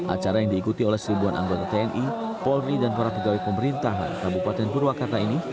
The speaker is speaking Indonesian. acara yang diikuti oleh seribuan anggota tni polri dan para pegawai pemerintahan kabupaten purwakarta ini